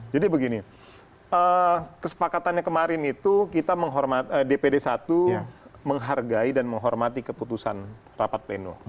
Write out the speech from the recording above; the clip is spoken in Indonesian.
jadi begini kesepakatannya kemarin itu dpd satu menghargai dan menghormati keputusan rampat pleno